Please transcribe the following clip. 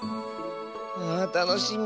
あたのしみ。